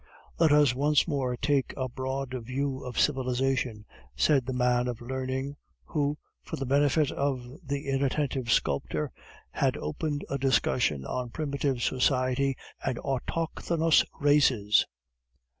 "Let us once more take a broad view of civilization," said the man of learning who, for the benefit of the inattentive sculptor, had opened a discussion on primitive society and autochthonous races.